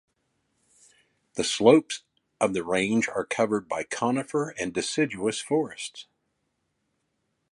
The slopes of the range are covered by conifer and deciduous forests.